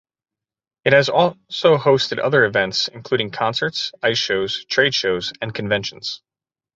It has also hosted other events, including concerts, ice shows, trade shows, and conventions.